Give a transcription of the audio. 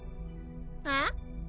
あっ？